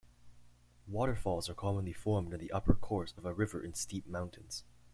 Waterfalls are commonly formed in the upper course of a river in steep mountains.